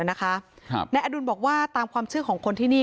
นายอดุลบอกว่าตามความเชื่อของคนที่นี่